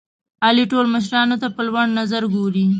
علي ټول مشرانو ته په لوړ نظر ګوري.